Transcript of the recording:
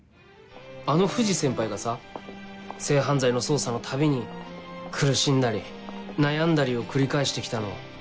あの藤先輩がさ性犯罪の捜査のたびに苦しんだり悩んだりを繰り返して来たのを。